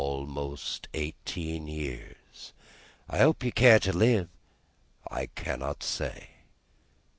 "Almost eighteen years." "I hope you care to live?" "I can't say."